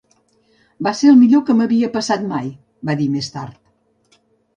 "Va ser el millor que m'havia passat mai", va dir més tard.